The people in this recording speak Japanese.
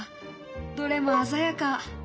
どれも鮮やか。